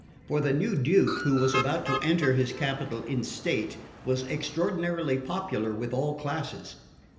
For the new Duke, who was about to enter his capital in state, was extraordinarily popular with all classes.